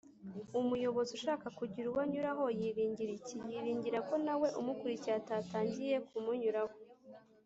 umuyobozi ushaka kugira uwo anyuraho y’iringira iki?yiringira ko nawe umukurikiye atatangiye kumunyuraho